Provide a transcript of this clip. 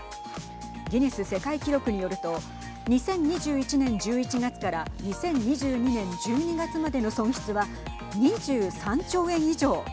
ギネス世界記録によると２０２１年１１月から２０２２年１２月までの損失は２３兆円以上。